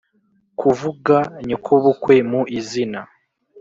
kuvuga nyokobukwe mu izina